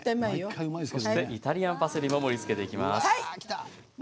そして、イタリアンパセリも盛りつけていきます。